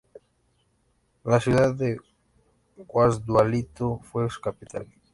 La ciudad de Guasdualito fue su capital.